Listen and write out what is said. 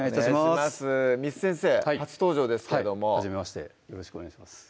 簾先生初登場ですけれどもはじめましてよろしくお願いします